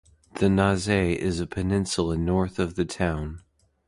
The Naze is a peninsula north of the town.